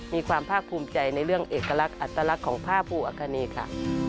มีความภาคภูมิใจในเรื่องเอกลักษณ์อัตลักษณ์ของผ้าภูอัคคณีค่ะ